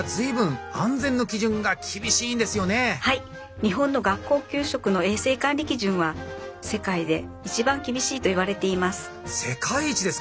日本の学校給食の衛生管理基準は世界で一番厳しいといわれています。